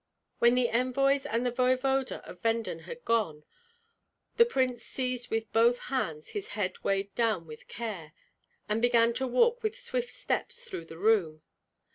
When the envoys and the voevoda of Venden had gone, the prince seized with both hands his head weighed down with care, and began to walk with swift steps through the room.